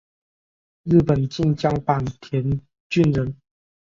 日本近江坂田郡人。